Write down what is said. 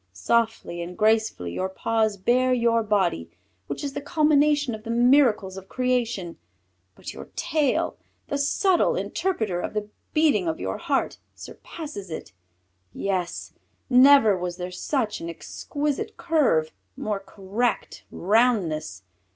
Softly and gracefully your paws bear your body which is the culmination of the miracles of creation, but your tail, the subtle interpreter of the beating of your heart, surpasses it. Yes! never was there such an exquisite curve, more correct roundness.